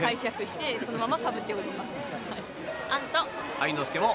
愛之助も。